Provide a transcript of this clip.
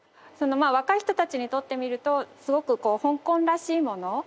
そのまあ若い人たちにとってみるとすごくこう香港らしいもの